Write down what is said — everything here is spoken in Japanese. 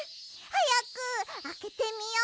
はやくあけてみよ。